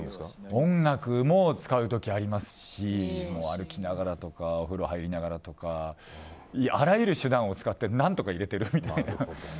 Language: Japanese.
音楽も使う時ありますし歩きながらとかお風呂入りながらとかあらゆる手段を使って何とか入れてます。